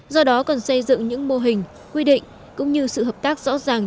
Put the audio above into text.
do đó còn xây dựng những mô hình quy định cũng như sự hợp tác rõ ràng